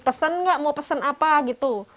pesen gak mau pesen apa gitu